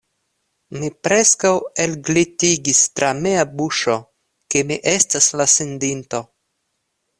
Mi preskaŭ elglitigis tra mia buŝo, ke mi estas la sendinto.